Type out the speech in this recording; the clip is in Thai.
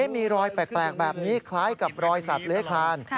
มีรอยแปลกแบบนี้คล้ายกับรอยสัตว์เลื้อยคลาน